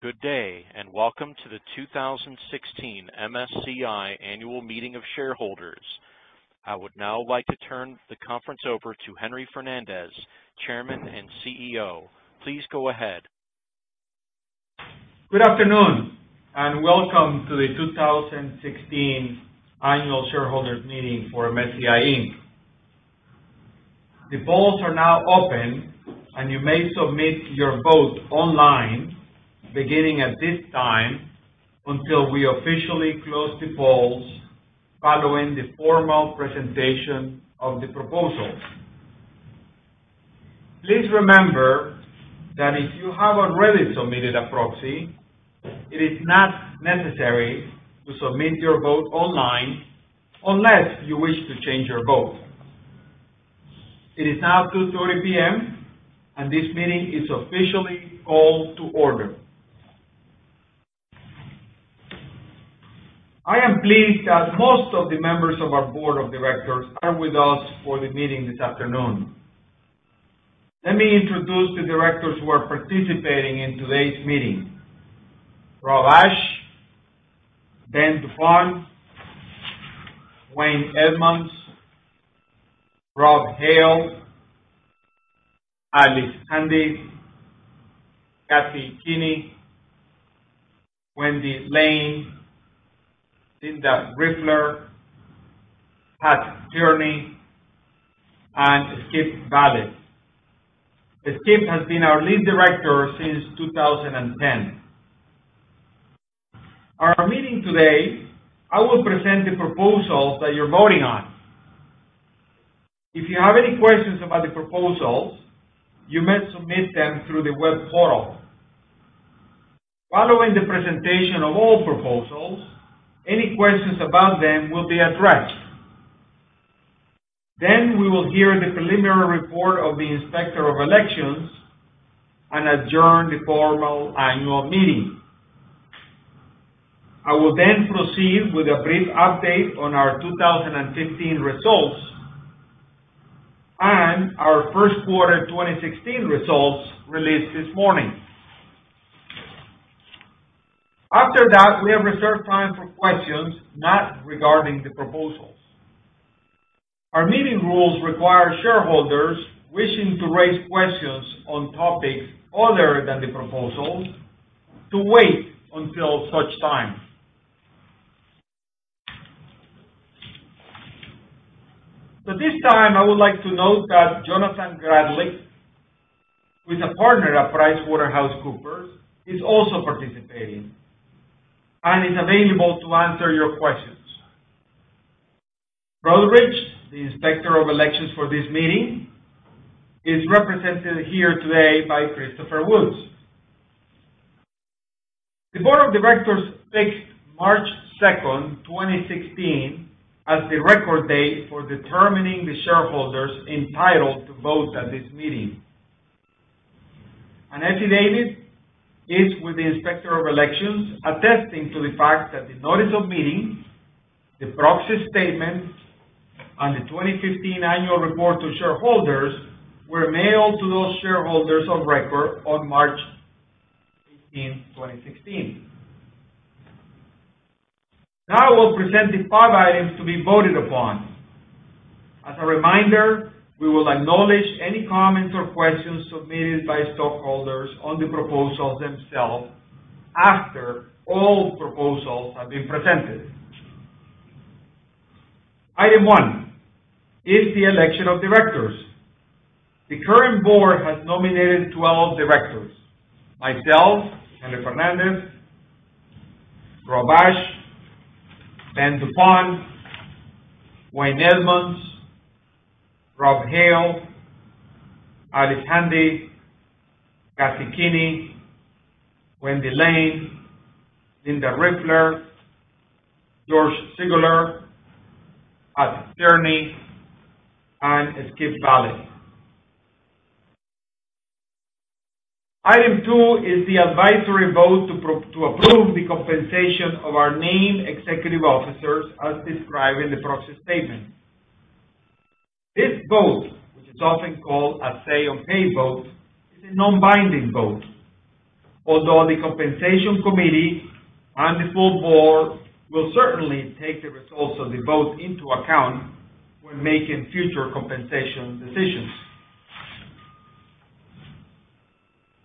Good day. Welcome to the 2016 MSCI Annual Meeting of Shareholders. I would now like to turn the conference over to Henry A. Fernandez, Chairman and CEO. Please go ahead. Good afternoon. Welcome to the 2016 Annual Shareholders Meeting for MSCI Inc. The polls are now open, and you may submit your vote online, beginning at this time until we officially close the polls following the formal presentation of the proposals. Please remember that if you have already submitted a proxy, it is not necessary to submit your vote online unless you wish to change your vote. It is now 2:30 P.M., and this meeting is officially called to order. I am pleased that most of the members of our board of directors are with us for the meeting this afternoon. Let me introduce the directors who are participating in today's meeting: Rob Ashe, Ben duPont, Wayne Edmunds, Rob Hale, Alice Handy, Kathy Kinney, Wendy Lane, Linda H. Riefler, Patrick Tierney, and Skip Vallee. Skip has been our Lead Director since 2010. Our meeting today, I will present the proposals that you're voting on. If you have any questions about the proposals, you may submit them through the web portal. Following the presentation of all proposals, any questions about them will be addressed. We will hear the preliminary report of the Inspector of Elections and adjourn the formal annual meeting. I will then proceed with a brief update on our 2015 results and our first quarter 2016 results released this morning. After that, we have reserved time for questions not regarding the proposals. Our meeting rules require shareholders wishing to raise questions on topics other than the proposals to wait until such time. At this time, I would like to note that Jonathan Gralnick, who is a Partner at PricewaterhouseCoopers, is also participating and is available to answer your questions. Broadridge, the Inspector of Elections for this meeting, is represented here today by Christopher Woods. The board of directors fixed March 2nd, 2016, as the record date for determining the shareholders entitled to vote at this meeting. Annette David is with the Inspector of Elections, attesting to the fact that the notice of meeting, the proxy statement, and the 2015 annual report to shareholders were mailed to those shareholders of record on March 15th, 2016. I will present the five items to be voted upon. As a reminder, we will acknowledge any comments or questions submitted by stockholders on the proposals themselves after all proposals have been presented. Item one is the election of directors. The current board has nominated 12 directors: Myself, Henry Fernandez, Rob Ashe, Ben duPont, Wayne Edmunds, Rob Hale, Alice Handy, Kathy Kinney, Wendy Lane, Linda H. Riefler, George W. Siguler, Patrick Tierney, and Skip Vallee. Item two is the advisory vote to approve the compensation of our named executive officers as described in the proxy statement. This vote, which is often called a say on pay vote, is a non-binding vote, although the compensation committee and the full board will certainly take the results of the vote into account when making future compensation decisions.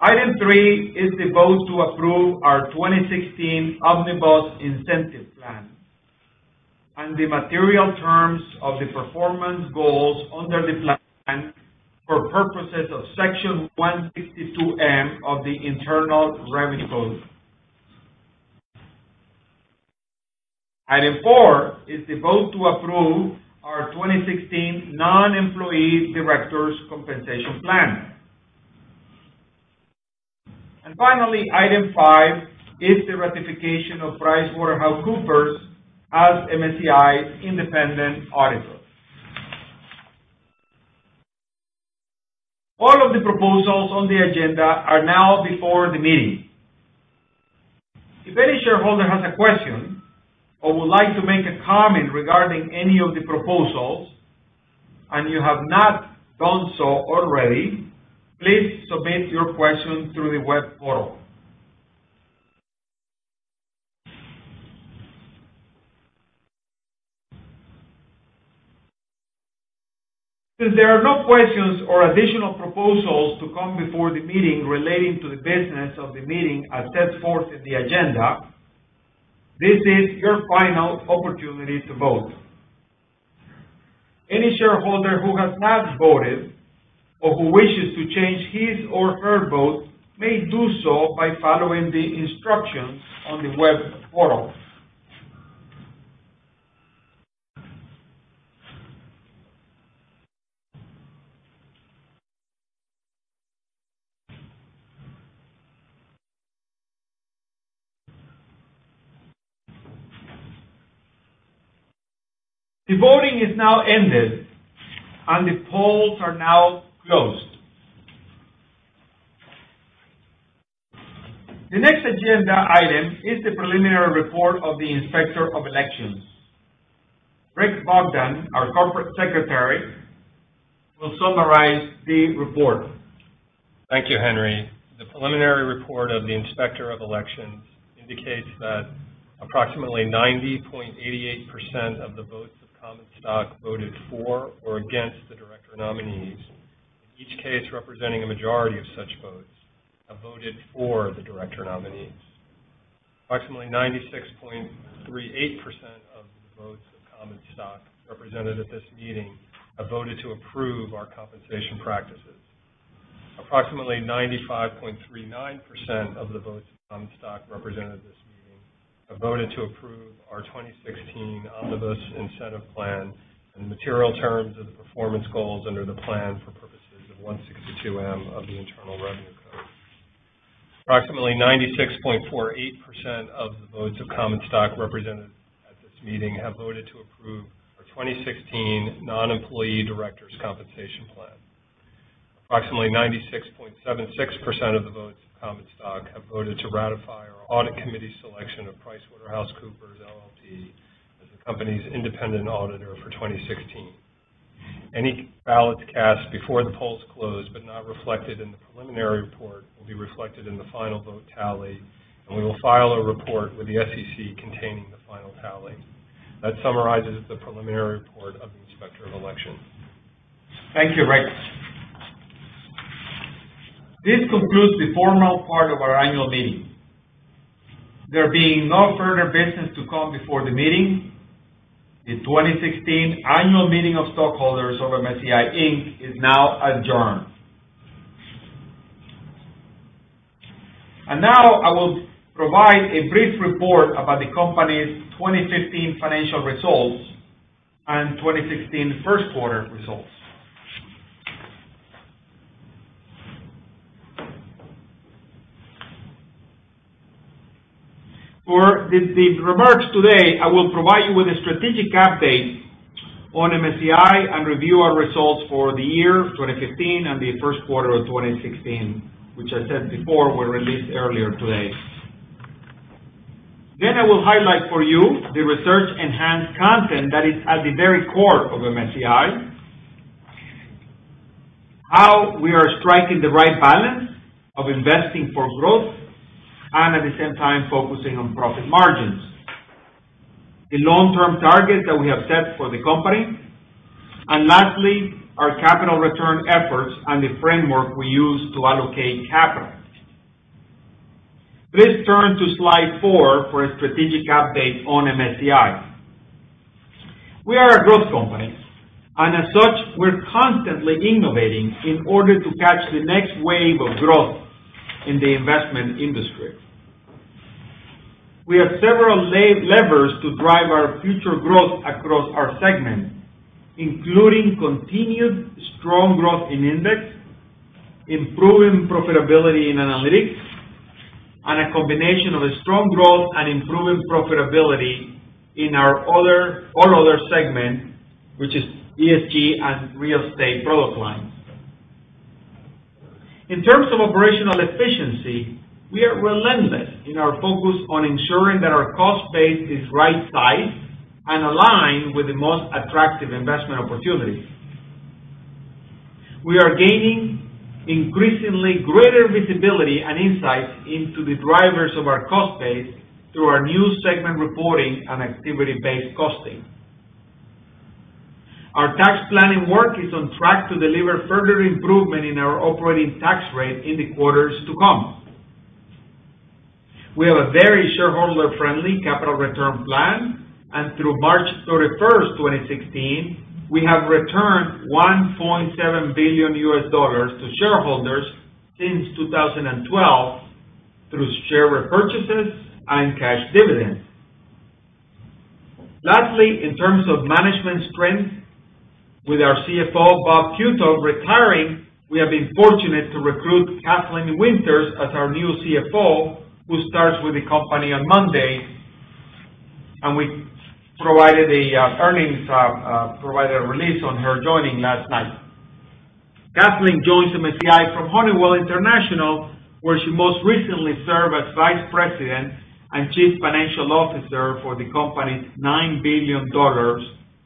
Item three is the vote to approve our 2016 Omnibus Incentive Plan and the material terms of the performance goals under the plan for purposes of Section 162(m) of the Internal Revenue Code. Item four is the vote to approve our 2016 Non-Employee Directors Compensation Plan. Finally, item five is the ratification of PricewaterhouseCoopers as MSCI's independent auditor. All of the proposals on the agenda are now before the meeting. If any shareholder has a question or would like to make a comment regarding any of the proposals you have not done so already, please submit your questions through the web portal. Since there are no questions or additional proposals to come before the meeting relating to the business of the meeting as set forth in the agenda, this is your final opportunity to vote. Any shareholder who has not voted or who wishes to change his or her vote may do so by following the instructions on the web portal. The voting is now ended, and the polls are now closed. The next agenda item is the preliminary report of the Inspector of Elections. Rick Bogdan, our Corporate Secretary, will summarize the report. Thank you, Henry. The preliminary report of the Inspector of Elections indicates that approximately 90.88% of the votes of common stock voted for or against the director nominees, in each case, representing a majority of such votes, have voted for the director nominees. Approximately 96.38% of the votes of common stock represented at this meeting have voted to approve our compensation practices. Approximately 95.39% of the votes of common stock represented at this meeting have voted to approve our 2016 Omnibus Incentive Plan and the material terms of the performance goals under the plan for purposes of 162 of the Internal Revenue Code. Approximately 96.48% of the votes of common stock represented at this meeting have voted to approve our 2016 Non-Employee Directors Compensation Plan. Approximately 96.76% of the votes of common stock have voted to ratify our Audit Committee selection of PricewaterhouseCoopers LLP as the company's independent auditor for 2016. Any ballots cast before the polls closed but not reflected in the preliminary report will be reflected in the final vote tally, and we will file a report with the SEC containing the final tally. That summarizes the preliminary report of the Inspector of Elections. Thank you, Rick. This concludes the formal part of our annual meeting. There being no further business to come before the meeting, the 2016 Annual Meeting of Stockholders of MSCI Inc. is now adjourned. Now I will provide a brief report about the company's 2015 financial results and 2016 first quarter results. For the remarks today, I will provide you with a strategic update on MSCI and review our results for the year 2015 and the first quarter of 2016, which I said before, were released earlier today. I will highlight for you the research-enhanced content that is at the very core of MSCI. How we are striking the right balance of investing for growth, and at the same time focusing on profit margins. The long-term target that we have set for the company. Lastly, our capital return efforts and the framework we use to allocate capital. Please turn to slide four for a strategic update on MSCI. We are a growth company, and as such, we're constantly innovating in order to catch the next wave of growth in the investment industry. We have several levers to drive our future growth across our segment, including continued strong growth in index, improving profitability in analytics, and a combination of a strong growth and improving profitability in our All Other segment, which is ESG and real estate product lines. In terms of operational efficiency, we are relentless in our focus on ensuring that our cost base is right-sized and aligned with the most attractive investment opportunities. We are gaining increasingly greater visibility and insights into the drivers of our cost base through our new segment reporting and activity-based costing. Our tax planning work is on track to deliver further improvement in our operating tax rate in the quarters to come. We have a very shareholder-friendly capital return plan, and through March 31st 2016, we have returned $1.7 billion to shareholders since 2012 through share repurchases and cash dividends. Lastly, in terms of management strength, with our CFO, Bob Qutub, retiring, we have been fortunate to recruit Kathleen Winters as our new CFO, who starts with the company on Monday, we provided a release on her joining last night. Kathleen joins MSCI from Honeywell International, where she most recently served as Vice President and Chief Financial Officer for the company's $9 billion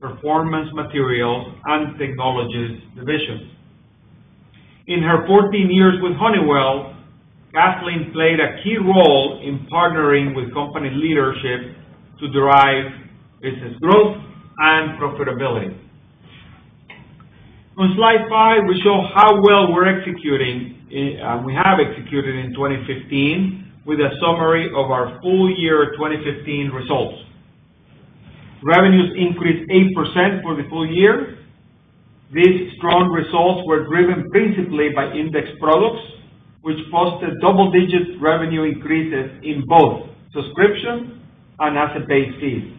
performance materials and technologies division. In her 14 years with Honeywell, Kathleen played a key role in partnering with company leadership to derive business growth and profitability. On slide five, we show how well we have executed in 2015 with a summary of our full year 2015 results. Revenues increased 8% for the full year. These strong results were driven principally by index products, which posted double-digit revenue increases in both subscription and asset-based fees.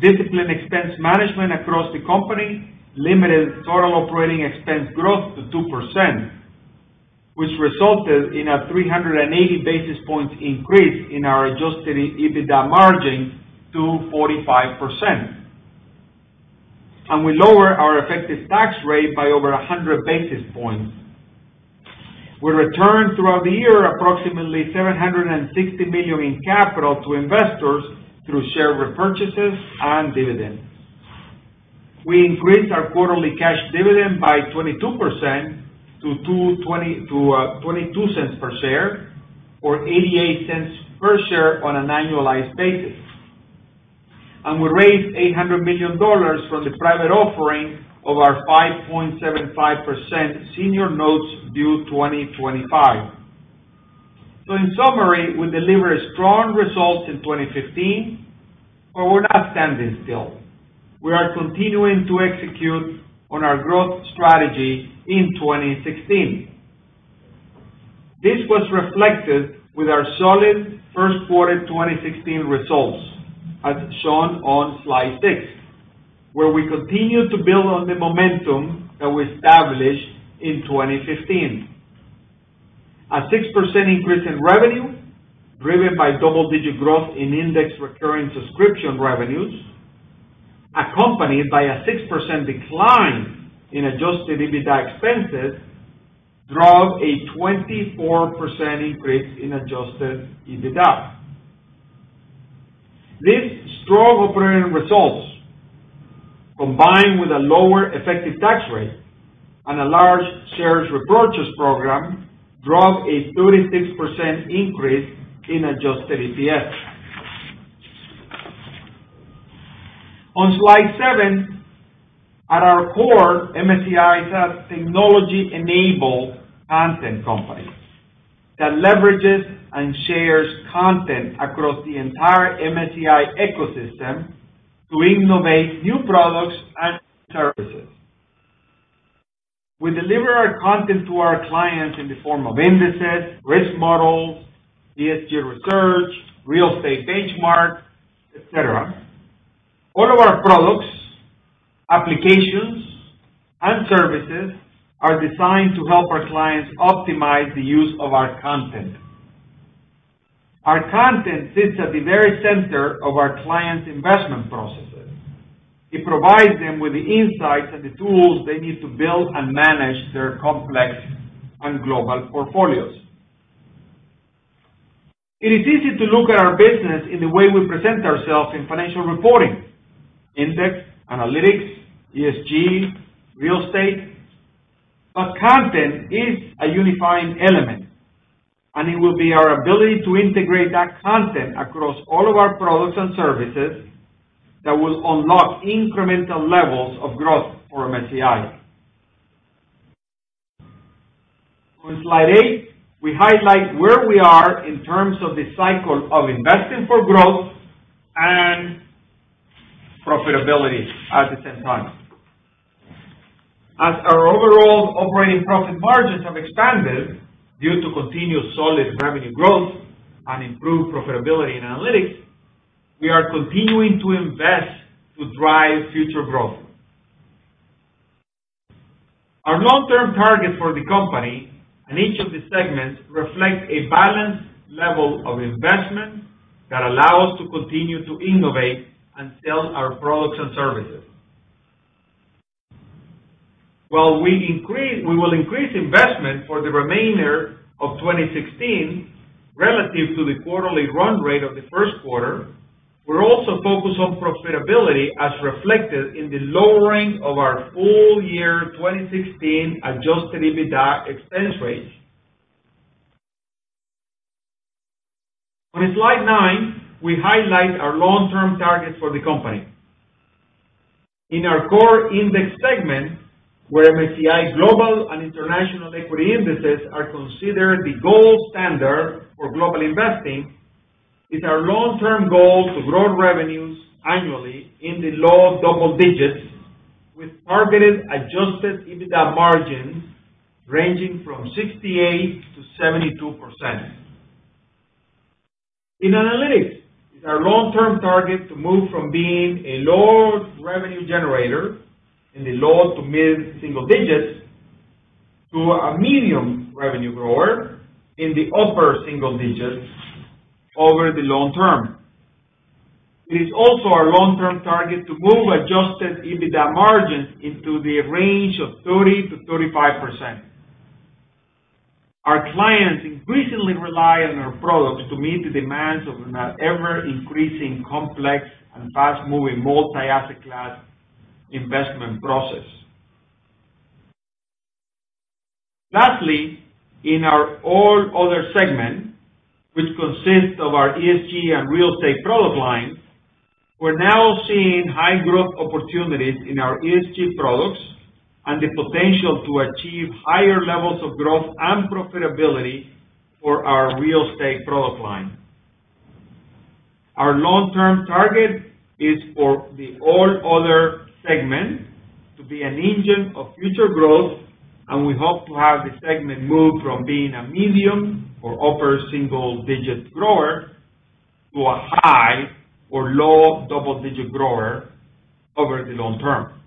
Disciplined expense management across the company limited total operating expense growth to 2%, which resulted in a 380 basis points increase in our adjusted EBITDA margin to 45%. We lowered our effective tax rate by over 100 basis points. We returned throughout the year approximately $760 million in capital to investors through share repurchases and dividends. We increased our quarterly cash dividend by 22% to $0.22 per share, or $0.88 per share on an annualized basis. We raised $800 million from the private offering of our 5.75% senior notes due 2025. In summary, we delivered strong results in 2015. We're not standing still. We are continuing to execute on our growth strategy in 2016. This was reflected with our solid first quarter 2016 results, as shown on slide six, where we continue to build on the momentum that we established in 2015. A 6% increase in revenue, driven by double-digit growth in index recurring subscription revenues, accompanied by a 6% decline in adjusted EBITDA expenses, drove a 24% increase in adjusted EBITDA. These strong operating results, combined with a lower effective tax rate and a large shares repurchase program, drove a 36% increase in adjusted EPS. On slide seven, at our core, MSCI is a technology-enabled content company that leverages and shares content across the entire MSCI ecosystem to innovate new products and services. We deliver our content to our clients in the form of indices, risk models, ESG research, real estate benchmarks, et cetera. All of our products, applications, and services are designed to help our clients optimize the use of our content. Our content sits at the very center of our clients' investment processes. It provides them with the insights and the tools they need to build and manage their complex and global portfolios. It is easy to look at our business in the way we present ourselves in financial reporting. Index, analytics, ESG, real estate. Content is a unifying element, and it will be our ability to integrate that content across all of our products and services that will unlock incremental levels of growth for MSCI. On slide eight, we highlight where we are in terms of the cycle of investing for growth and profitability at the same time. Our overall operating profit margins have expanded due to continued solid revenue growth and improved profitability in analytics. We are continuing to invest to drive future growth. Our long-term targets for the company and each of the segments reflect a balanced level of investment that allow us to continue to innovate and sell our products and services. While we will increase investment for the remainder of 2016 relative to the quarterly run rate of the first quarter, we're also focused on profitability as reflected in the lowering of our full year 2016 adjusted EBITDA expense rates. On slide nine, we highlight our long-term targets for the company. In our core index segment, where MSCI global and international equity indices are considered the gold standard for global investing, it's our long-term goal to grow revenues annually in the low double digits with targeted adjusted EBITDA margins ranging from 68%-72%. In analytics, it's our long-term target to move from being a low revenue generator in the low to mid-single digits to a medium revenue grower in the upper single digits over the long term. It is also our long-term target to move adjusted EBITDA margins into the range of 30%-35%. Our clients increasingly rely on our products to meet the demands of an ever-increasing complex and fast-moving multi-asset class investment process. Lastly, in our all other segment, which consists of our ESG and real estate product lines, we're now seeing high growth opportunities in our ESG products and the potential to achieve higher levels of growth and profitability for our real estate product line. Our long-term target is for the all other segment to be an engine of future growth. We hope to have the segment move from being a medium or upper single-digit grower to a high or low double-digit grower over the long term.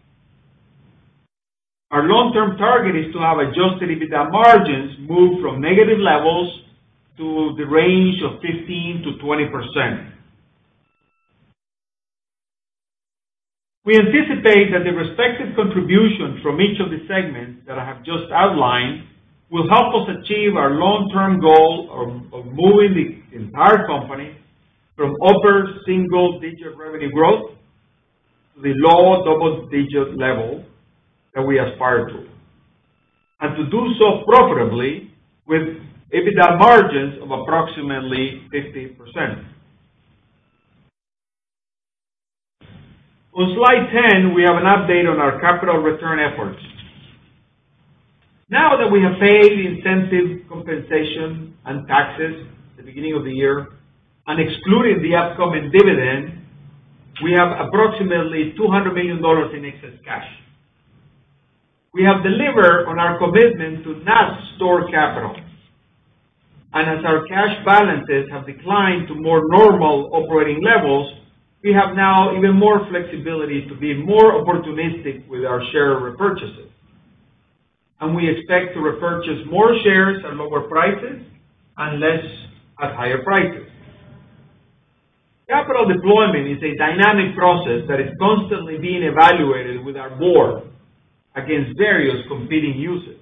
Our long-term target is to have adjusted EBITDA margins move from negative levels to the range of 15%-20%. We anticipate that the respective contribution from each of the segments that I have just outlined will help us achieve our long-term goal of moving the entire company from upper single-digit revenue growth to the low double-digit level that we aspire to. To do so profitably with EBITDA margins of approximately 50%. On slide 10, we have an update on our capital return efforts. Now that we have paid the incentive compensation and taxes at the beginning of the year, and excluding the upcoming dividend, we have approximately $200 million in excess cash. We have delivered on our commitment to not store capital. As our cash balances have declined to more normal operating levels, we have now even more flexibility to be more opportunistic with our share repurchases. We expect to repurchase more shares at lower prices and less at higher prices. Capital deployment is a dynamic process that is constantly being evaluated with our board against various competing uses.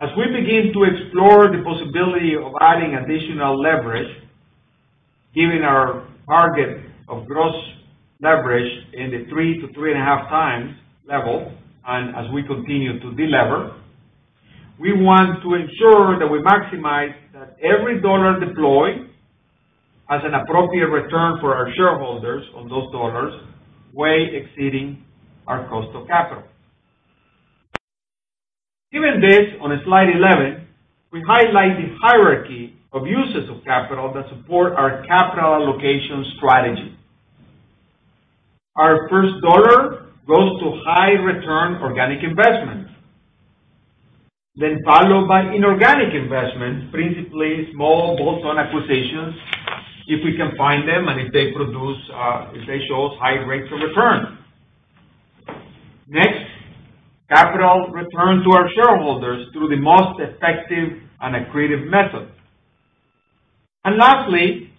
As we begin to explore the possibility of adding additional leverage, given our target of gross leverage in the 3 to 3.5 times level, and as we continue to delever, we want to ensure that we maximize that every dollar deployed has an appropriate return for our shareholders on those dollars, way exceeding our cost of capital. Given this, on slide 11, we highlight the hierarchy of uses of capital that support our capital allocation strategy. Our first dollar goes to high-return organic investments, then followed by inorganic investments, principally small bolt-on acquisitions, if we can find them and if they show us high rates of return. Next, capital return to our shareholders through the most effective and accretive method. Lastly,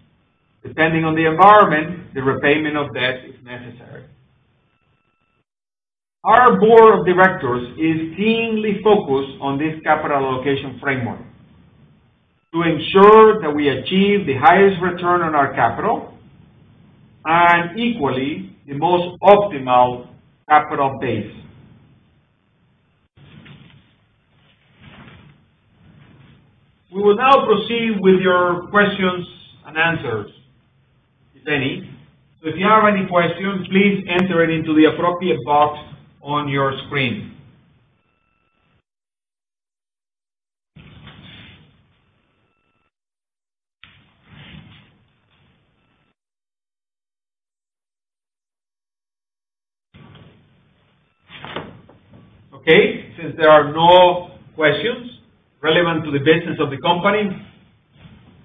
depending on the environment, the repayment of debt, if necessary. Our board of directors is keenly focused on this capital allocation framework to ensure that we achieve the highest return on our capital and equally, the most optimal capital base. We will now proceed with your questions and answers, if any. If you have any questions, please enter it into the appropriate box on your screen. Okay. Since there are no questions relevant to the business of the company,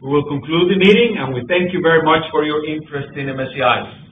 we will conclude the meeting, and we thank you very much for your interest in MSCI.